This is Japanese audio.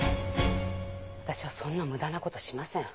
私はそんな無駄な事しません。